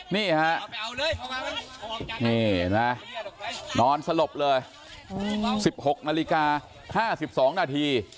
นี่ฮะนี่เห็นไหมนอนสลบเลยสิบหกนาฬิกาห้าสิบสองนาที